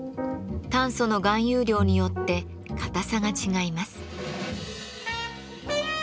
炭素の含有量によって硬さが違います。